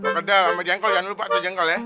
pak itu jengkol jangan lupa itu jengkol ya